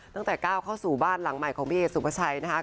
ตั้งแต่ก้าวเข้าสู่บ้านหลังใหม่ของพี่เอกสุภาชัยนะคะ